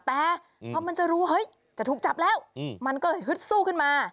แต่พอมันจะรู้เฮ้ยจะถูกจับแล้วมันก็ฮึดสู้ขึ้นมา